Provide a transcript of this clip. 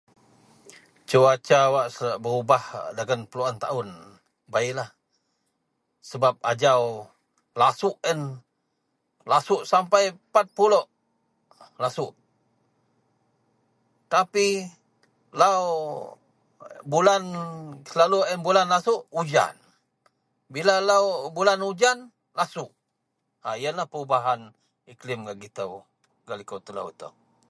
Cuaca wak berubah dagen peluen taun beilah sebap ajau lasuk en lasuk sampai 40 lasuk, tapi lau bulan selalu en lasuk bulan lasuk, ujan. Bila lau bulan ujan ah lasuk. A yenlah Perumahan musim gak gitou iklim gak likou telou itou